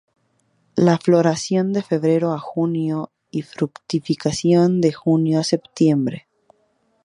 La floración de febrero a junio y fructificación de junio a septiembre.